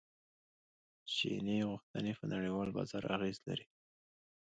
چیني غوښتنې په نړیوال بازار اغیز لري.